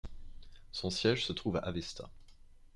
Son siège se trouve à Avesta.